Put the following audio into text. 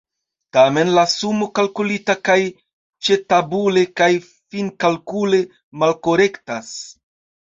Tamen la sumo kalkulita kaj ĉetabule kaj finkalkule malkorektas.